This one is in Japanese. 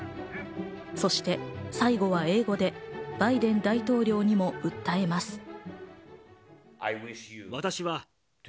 そして最後は英語でバイデン大統領にも訴えます。